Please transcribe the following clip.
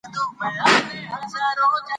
سیلاني ځایونه د افغان ماشومانو د لوبو موضوع ده.